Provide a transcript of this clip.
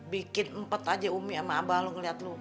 bikin empet aja umi sama abah lu ngelihat lu